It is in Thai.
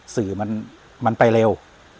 สื่อมันไปเร็ว